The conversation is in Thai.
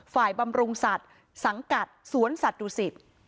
บำรุงสัตว์สังกัดสวนสัตว์ดุสิต